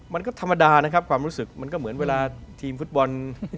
มันก็ธรรมดานะครับความรู้สึกมันก็เหมือนเวลาทีมฟุตบอล